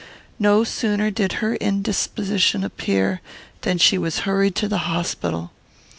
"No sooner did her indisposition appear, than she was hurried to the hospital.